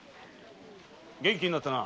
元気になったな。